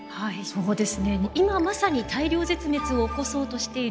そうです。